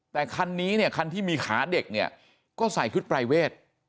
แต่คันนี้เนี่ยคันที่มีขาเด็กเนี่ยก็ใส่ชุดปรายเวท